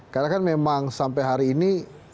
karena kan memang sampai hari ini